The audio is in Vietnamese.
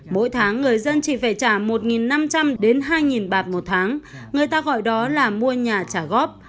mỗi tháng người dân chỉ phải trả một năm trăm linh đến hai bạt một tháng người ta gọi đó là mua nhà trả góp